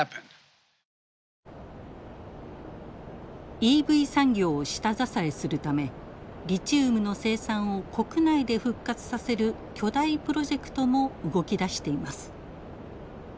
ＥＶ産業を下支えするためリチウムの生産を国内で復活させる巨大プロジェクトも動き出しています。